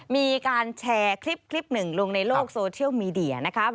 มีการแชร์คลิปหนึ่งลงในโลกโซเชียลมีเดียนะครับ